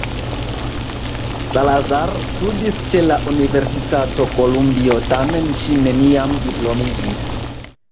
Salazar studis ĉe la Universitato Kolumbio tamen ŝi neniam diplomiĝis.